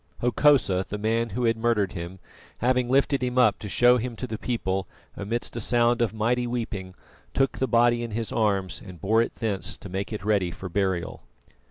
Hokosa, the man who had murdered him, having lifted him up to show him to the people, amidst a sound of mighty weeping, took the body in his arms and bore it thence to make it ready for burial.